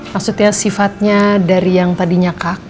maksudnya sifatnya dari yang tadinya kaku sekarang jauh lagi